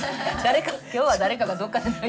今日は誰かがどっかで泣いてる。